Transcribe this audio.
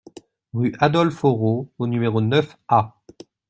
Rue Adolphe Hoareau au numéro neuf A